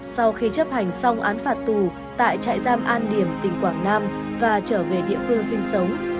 sau khi chấp hành xong án phạt tù tại trại giam an điểm tỉnh quảng nam và trở về địa phương sinh sống